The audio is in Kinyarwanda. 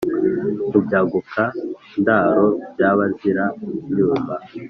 mu byaguka-ndaro bya bazira-nyuma.